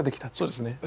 そうですね。